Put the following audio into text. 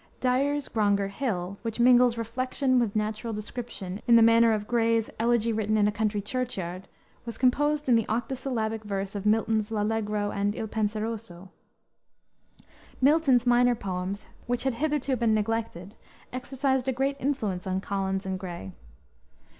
Dyer's Grongar Hill, which mingles reflection with natural description in the manner of Gray's Elegy written in a Country Churchyard, was composed in the octosyllabic verse of Milton's L'Allegro and Il Penseroso. Milton's minor poems, which had hitherto been neglected, exercised a great influence on Collins and Gray.